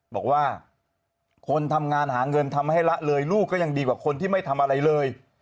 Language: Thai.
บอกว่าคนทำงานหาเงินทำให้ละเลยลูกก็ยังดีกว่าคนที่ไม่ทำอะไรเลย